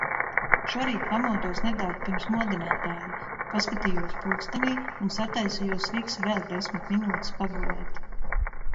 Šorīt pamodos nedaudz pirms modinātāja, paskatījos pulkstenī un sataisījos fiksi vēl desmit minūtes pagulēt.